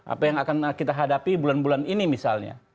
apa yang akan kita hadapi bulan bulan ini misalnya